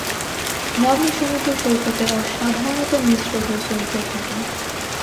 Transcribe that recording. নগ্ন সমুদ্র সৈকতে সাধারণত মিশ্র গোসল হয়ে থাকে।